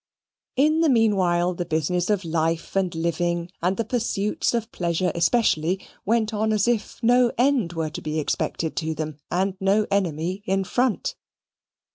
In the meanwhile the business of life and living, and the pursuits of pleasure, especially, went on as if no end were to be expected to them, and no enemy in front.